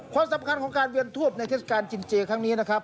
ความสำคัญของการเวียนทวดในเทศกาลกินเจครั้งนี้นะครับ